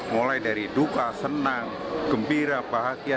mulai dari duka senang gembira bahagia